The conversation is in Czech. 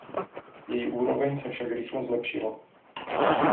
Její úroveň se však rychle zlepšila.